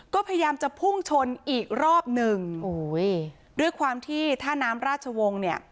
ก็พยายามจะพุ่งชนอีกรอบหนึ่งโอ้ยด้วยความที่ท่าน้ำราชวงศ์เนี่ย